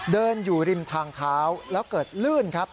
เดินอยู่ริมทางเท้าแล้วเกิดลื่นครับ